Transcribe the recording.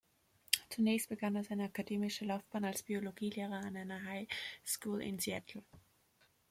Zunächst begann er seine akademische Laufbahn als Biologielehrer an einer High School in Seattle.